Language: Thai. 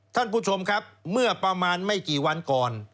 ท่านผู้ชมครับเมื่อประมาณไม่กี่วันก่อน